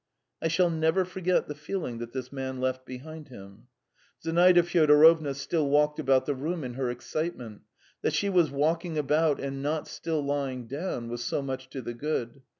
I shall never forget the feeling that this man left behind him. Zinaida Fyodorovna still walked about the room in her excitement. That she was walking about and not still lying down was so much to the good.